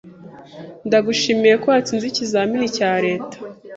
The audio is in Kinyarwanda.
Ndagushimiye ko watsinze ikizamini cya leta.